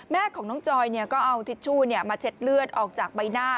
แม่ของน้องจอยก็เอาทิชชู่มาเช็ดเลือดออกจากใบหน้า